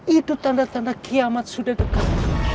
itu tanda tanda kiamat sudah dekat